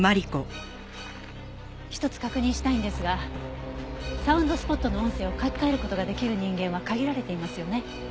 １つ確認したいんですがサウンドスポットの音声を書き換える事ができる人間は限られていますよね？